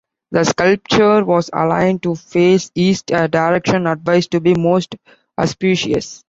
The sculpture was aligned to face East, a direction advised to be most auspicious.